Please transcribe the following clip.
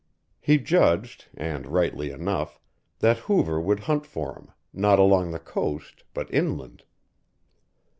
He judged, and rightly enough, that Hoover would hunt for him, not along the coast but inland.